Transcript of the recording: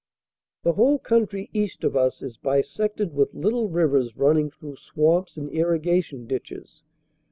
The whole country east of us is bisected with little rivers running through swamps and irrigation ditches.